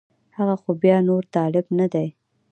هغه خو بیا نور طالب نه دی